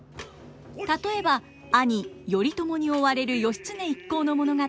例えば兄頼朝に追われる義経一行の物語